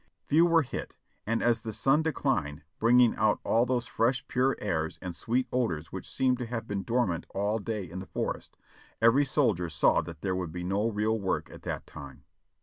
Few were hit, and as the sun declined bringing out all those fresh, pure airs and sweet odors which seemed to. have been dormant all day in the forest, every soldier saw that there would be no real work at that time.